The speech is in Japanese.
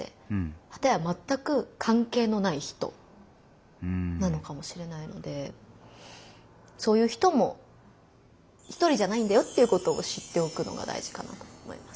かたやまったく関係のない人なのかもしれないのでそういう人も一人じゃないんだよっていうことを知っておくのが大事かなと思います。